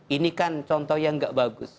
ini kan contoh yang gak bagus